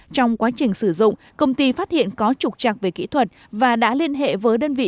trong quá trình sử dụng công ty phát hiện có trục trặc về kỹ thuật và đã liên hệ với đơn vị